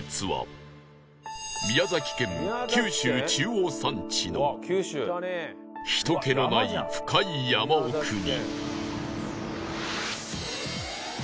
宮崎県九州中央山地の人けのない深い山奥に